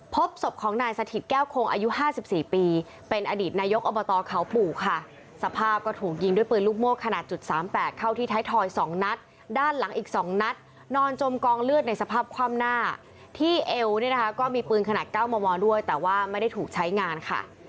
พบศพของนายสถิตแก้วคงอายุ๕๔ปีเป็นอดีตนายกอบตเขาปู่ค่ะสภาพก็ถูกยิงด้วยปืนลูกโม่ขนาดจุด๓๘เข้าที่ไทยทอย๒นัดด้านหลังอีก๒นัดนอนจมกองเลือดในสภาพคว่ำหน้าที่เอวเนี่ยนะคะก็มีปืนขนาด๙มมด้วยแต่ว่าไม่ได้ถูกใช้งานค่ะ